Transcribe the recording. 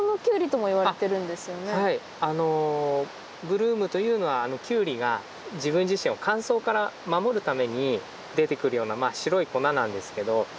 ブルームというのはキュウリが自分自身を乾燥から守るために出てくるような白い粉なんですけど。